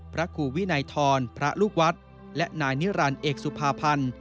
พระครูวินัยทรพระลูกวัดและนายนิรันดิ์เอกสุภาพันธ์